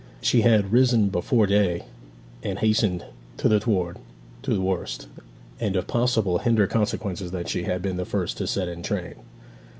She had risen before day and hastened thitherward to know the worst, and if possible hinder consequences that she had been the first to set in train.